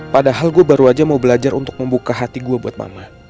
padahal gue baru aja mau belajar untuk membuka hati gue buat mama